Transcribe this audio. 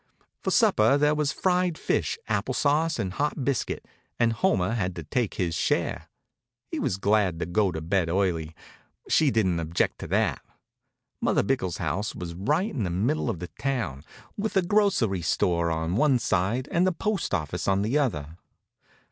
For supper there was fried fish, apple sauce and hot biscuit, and Homer had to take his share. He was glad to go to bed early. She didn't object to that. Mother Bickell's house was right in the middle of the town, with a grocery store on one side and the postoffice on the other.